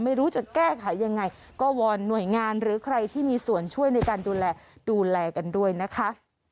ไม่รู้จะแก้ไขยังไงก็วอนหน่วยงานหรือใครที่มีส่วนช่วยในการดูแลดูแลกันด้วยนะคะ